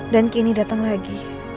dan kini datang lagi